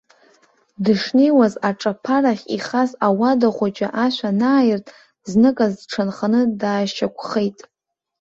Дышнеиуаз, аҿаԥарахь ихаз ауада хәыҷы ашә анааирт, зныказ дшанханы даашьақәхеит.